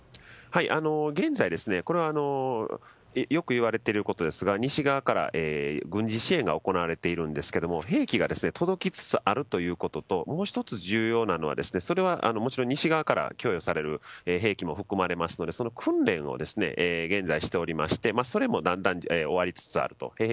現在、これはよく言われていることですが西側から軍事支援が行われているんですが兵器が届きつつあるというのともう１つ重要なのはそれはもちろん西側から供与される兵器も含まれますのでその訓練を現在、しておりましてそれもだんだん終わりつつあると。